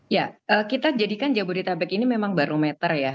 ya kita jadikan jabodetabek ini memang barometer ya